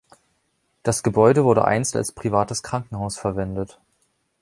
Das Gebäude wurde einst als privates Krankenhaus verwendet.